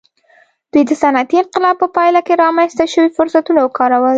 دوی د صنعتي انقلاب په پایله کې رامنځته شوي فرصتونه وکارول.